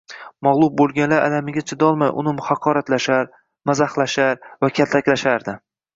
Mag‘lub bo‘lganlar alamiga chidolmay, uni haqoratlashar, mazaxlashar va kaltaklashardi